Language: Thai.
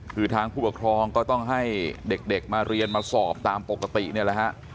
คือทางผู้ปกครองก็ต้องให้เด็กมาเรียนมาสอบตามปกตินี่แหละฮะ